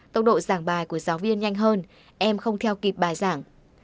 tốc độ giảng bài của giáo viên nhanh hơn em không theo kịp bài giảng